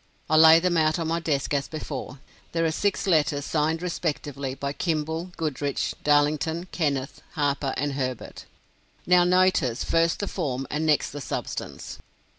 I lay them out on my desk as before: There are six letters signed respectively by Kimball, Goodrich, Darlington, Kenneth, Harper, and Herbert. Now notice, first the form, and next the substance.